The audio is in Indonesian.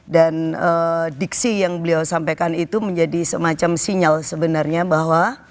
dan diksi yang beliau sampaikan itu menjadi semacam sinyal sebenarnya bahwa